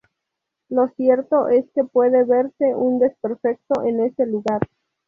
Lo cierto es que puede verse un desperfecto en ese lugar.